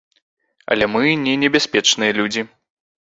Але мы не небяспечныя людзі.